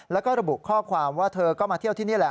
แล้วก็ระบุข้อความว่าเธอก็มาเที่ยวที่นี่แหละ